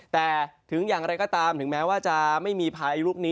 แต่ถึงอย่างไรก็ตามถึงแม้ว่าจะไม่มีพายุลูกนี้